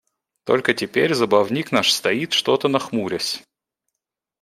Только теперь забавник наш стоит что-то нахмурясь.